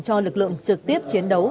cho lực lượng trực tiếp chiến đấu